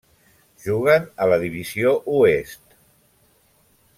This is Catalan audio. Juguen a la divisió Oest.